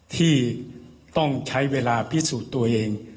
ที่ต้องใช้เวลาพิสูจน์ตัวเอง